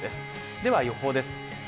では予報です。